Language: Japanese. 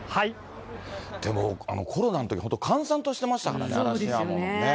でもコロナのとき、本当閑散としてましたから、嵐山とかもね。